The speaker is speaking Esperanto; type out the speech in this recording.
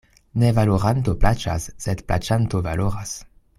Ne valoranto plaĉas, sed plaĉanto valoras.